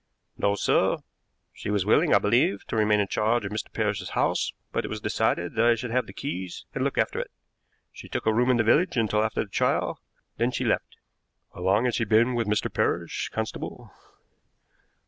"No, sir. She was willing, I believe, to remain in charge of Mr. Parrish's house, but it was decided that I should have the keys and look after it. She took a room in the village until after the trial; then she left." "How long had she been with Mr. Parrish, constable?"